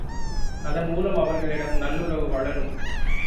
அதன் மூலம் அவர்களிடம் நல்லுறவு வளரும்.